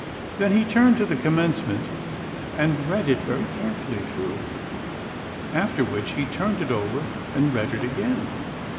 Then he turned to the commencement and read it very carefully through, after which he turned it over and read it again.